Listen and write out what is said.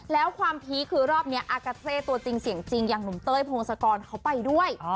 แล้วความพีคคือรอบนี้อากาเซ่ตัวจริงเสียงจริงอย่างหนุ่มเต้ยพงศกรเขาไปด้วย